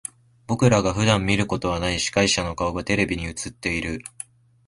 僕らが普段見ることはない司会者の顔がテレビに映っている。